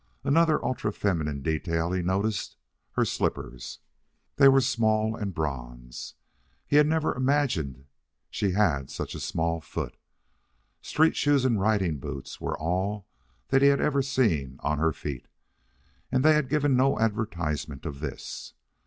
Another ultra feminine detail he noticed her slippers. They were small and bronze. He had never imagined she had such a small foot. Street shoes and riding boots were all that he had ever seen on her feet, and they had given no advertisement of this.